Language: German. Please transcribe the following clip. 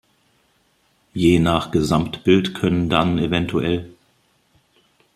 Je nach Gesamtbild können dann evtl.